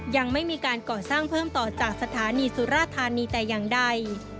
ยังไม่มีการก่อสร้างเพิ่มต่อจากสถานีสุราธานีแต่อย่างใด